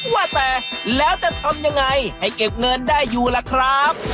ว่าแต่แล้วจะทำยังไงให้เก็บเงินได้อยู่ล่ะครับ